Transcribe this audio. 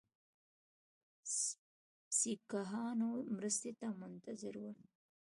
سیکهانو مرستې ته منتظر ول.